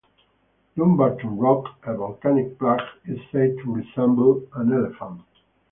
Dumbarton Rock, a volcanic plug, is said to resemble an elephant.